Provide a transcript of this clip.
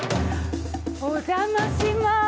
お邪魔しまーす。